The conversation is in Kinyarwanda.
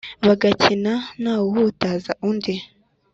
bagakina ntawuhutaza undi